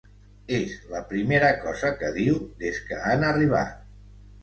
És la primera cosa que diu des que han arribat.